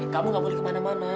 kamu gak boleh kemana mana